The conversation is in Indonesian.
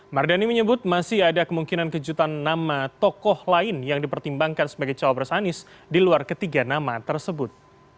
mardani menyebut masih ada kemungkinan kejutan nama tokoh lain yang dipertimbangkan sebagai cawapres anis di luar ketiga nama tersebut